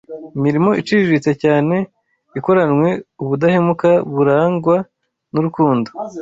Imirimo iciriritse cyane ikoranwe ubudahemuka burangwa n’urukundo